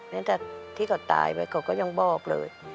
เนื้อแต่ที่ต่อตายไปก็ยังบอกเลย